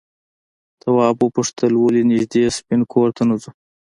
تواب وپوښتل ولې نږدې سپین کور ته نه ځو؟